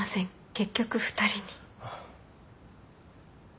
結局２人に。